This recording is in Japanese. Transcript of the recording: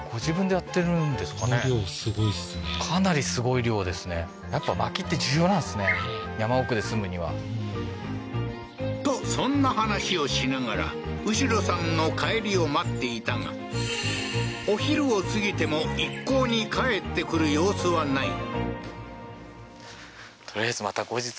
すごいねかなりすごい量ですねとそんな話をしながらウシロさんの帰りを待っていたがお昼を過ぎても一向に帰ってくる様子はない